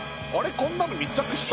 こんなの密着した？